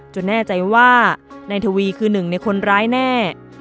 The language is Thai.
จนแน่ใจว่านายทวีคือ๑ในคนร้ายแน่